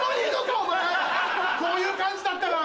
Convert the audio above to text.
お前こういう感じだったら。